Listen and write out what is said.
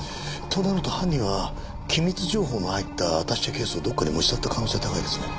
となると犯人は機密情報の入ったアタッシェケースをどこかに持ち去った可能性が高いですね。